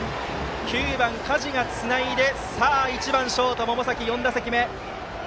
９番、加地がつないで１番ショート、百崎の４打席目。